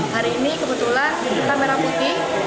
hari ini kebetulan dibuka merah putih